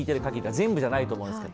全部じゃないと思いますけど。